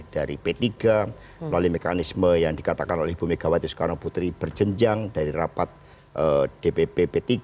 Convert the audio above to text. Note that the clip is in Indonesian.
dari p tiga melalui mekanisme yang dikatakan oleh ibu megawati soekarno putri berjenjang dari rapat dpp p tiga